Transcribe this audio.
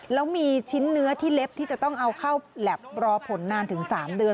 แล้วมีชิ้นเนื้อที่เล็บที่จะต้องเอาเข้าแล็บรอผลนานถึง๓เดือน